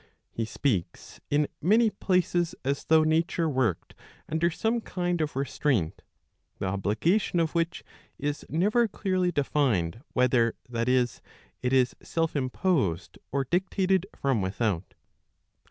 He speaks in many 1 Met. xi. (xii.) lo, I. X INTRODUCTION. places as though Nature worked under some kind of restraint, the obligation of which is never clearly defined, whether, that is, it is self imposed or dictated from without.